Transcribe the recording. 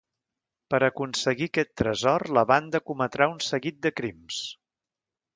Per aconseguir aquest tresor la banda cometrà un seguit de crims.